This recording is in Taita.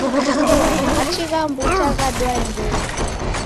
Machi gha mbuta ghadwae mbeo